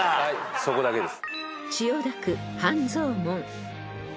そこだけです。